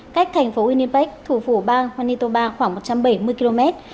cách thành phố winnipeg thủ phủ bang manitoba khoảng một trăm bảy mươi km